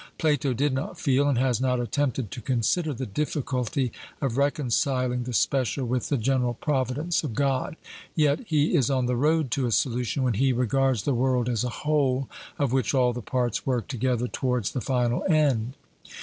Plato did not feel, and has not attempted to consider, the difficulty of reconciling the special with the general providence of God. Yet he is on the road to a solution, when he regards the world as a whole, of which all the parts work together towards the final end.